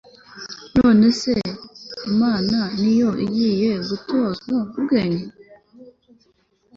none se, imana ni yo igiye gutozwa ubwenge